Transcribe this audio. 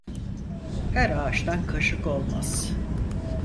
Her ağaçtan kaşık olmaz.